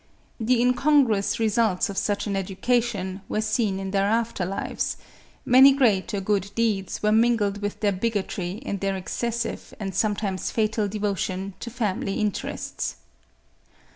The incongruous results of such an education were seen in their after lives; many great or good deeds were mingled with their bigotry and their excessive and sometimes fatal devotion to family interests.